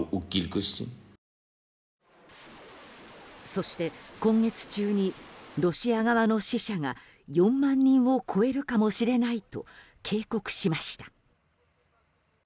そして、今月中にロシア側の死者が４万人を超えるかもしれないと警告しました。